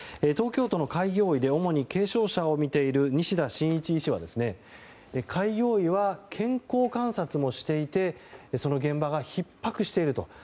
東京都の開業医で主に軽症者を診ている西田伸一医師は開業医は健康観察もしていてその現場がひっ迫していると。